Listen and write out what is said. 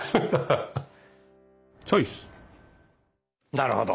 なるほど。